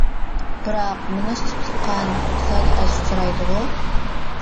بىراق مىنۇس تىپلىق قان زادى ئاز ئۇچرايدىغۇ.